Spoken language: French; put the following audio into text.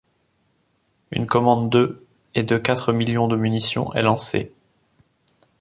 Une commande de et de quatre millions de munitions est lancée.